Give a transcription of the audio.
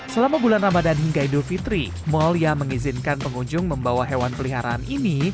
selama bulan ramadan hingga idul fitri mal yang mengizinkan pengunjung membawa hewan peliharaan ini